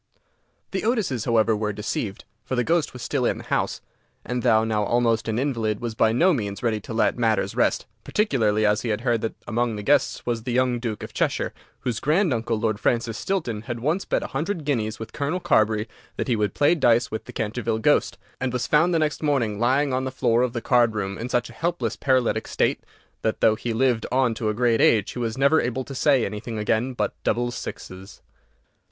The Otises, however, were deceived, for the ghost was still in the house, and though now almost an invalid, was by no means ready to let matters rest, particularly as he heard that among the guests was the young Duke of Cheshire, whose grand uncle, Lord Francis Stilton, had once bet a hundred guineas with Colonel Carbury that he would play dice with the Canterville ghost, and was found the next morning lying on the floor of the card room in such a helpless paralytic state that, though he lived on to a great age, he was never able to say anything again but "Double Sixes."